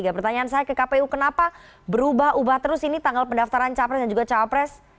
pertanyaan saya ke kpu kenapa berubah ubah terus ini tanggal pendaftaran capres dan juga cawapres